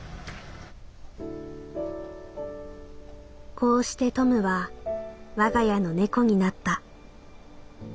「こうしてトムは我が家の猫になった」。